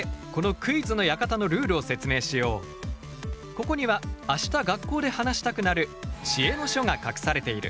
ここには明日学校で話したくなる知恵の書が隠されている。